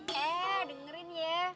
eh dengerin ya